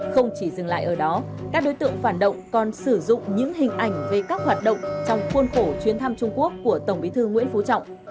không chỉ dừng lại ở đó các đối tượng phản động còn sử dụng những hình ảnh về các hoạt động trong khuôn khổ chuyến thăm trung quốc của tổng bí thư nguyễn phú trọng